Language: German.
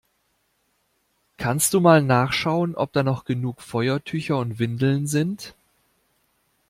Kannst du mal nachschauen, ob da noch genug Feuertücher und Windeln sind?